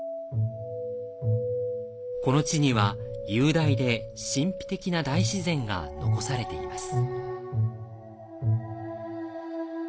この地には雄大で神秘的な大自然が残されています。